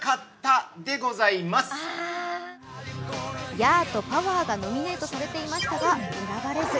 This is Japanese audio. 「ヤー！」と「パワー！」がノミネートされていましたが選ばれず。